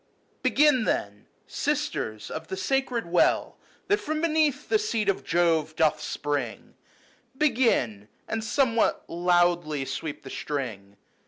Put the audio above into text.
X"" Y/ Begin, then, Sisters of the sacred well That from beneath the seat of Jove doth spring ; Begin, and somewhat loudly sweep the string.